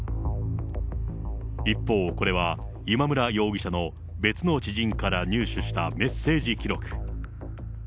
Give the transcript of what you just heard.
一方、これは今村容疑者の別の知人から入手したメッセージ記録。